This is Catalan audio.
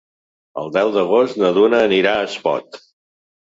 El deu d'agost na Duna anirà a Espot.